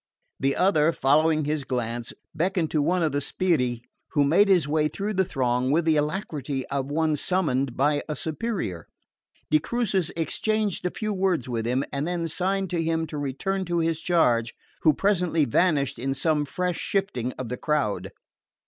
The other, following his glance, beckoned to one of the sbirri, who made his way through the throng with the alacrity of one summoned by a superior. De Crucis exchanged a few words with him, and then signed to him to return to his charge, who presently vanished in some fresh shifting of the crowd.